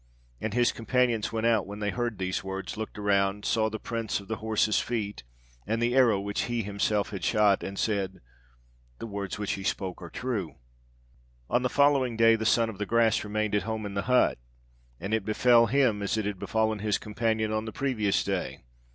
And his companions went out when they heard these words, looked around, saw the prints of the horses' feet and the arrow which he himself had shot, and said, 'The words which he spoke are true.' "On the following day the Son of the Grass remained at home in the hut, and it befell him as it had befallen his companion on the previous day.